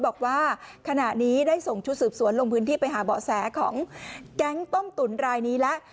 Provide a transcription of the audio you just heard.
บอกว่าขณะนี้ได้ส่งชุดสืบสวนลงพื้นที่ไปหาเบาะแสของแก๊งต้มตุ๋นรายนี้แล้ว